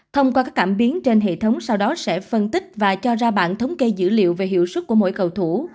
thông qua các cảm biến trên hệ thống sau đó sẽ phân tích và cho ra bảng thống kê dữ liệu về hiệu sức của mỗi cầu thủ